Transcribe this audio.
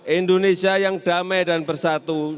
indonesia yang damai dan bersatu